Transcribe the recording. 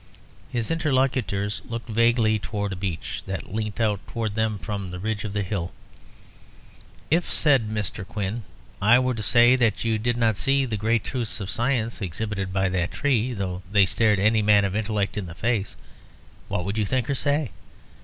His interlocutors looked vaguely towards a beech that leant out towards them from the ridge of the hill. "If," said Mr. Quin, "I were to say that you did not see the great truths of science exhibited by that tree, though they stared any man of intellect in the face, what would you think or say?